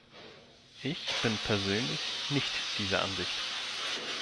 Ich bin persönlich nicht dieser Ansicht.